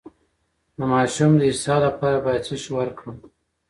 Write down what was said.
د ماشوم د اسهال لپاره باید څه شی ورکړم؟